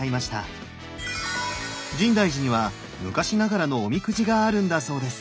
深大寺には昔ながらのおみくじがあるんだそうです！